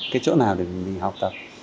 cái chỗ nào được mình học tập